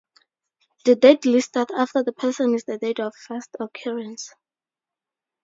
The date listed after the person is the date of first occurrence.